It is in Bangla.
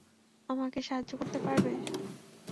আমাকে সাহায্য করতে পারবে?